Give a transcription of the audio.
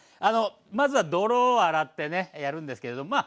まずは泥を洗ってねやるんですけれどまあ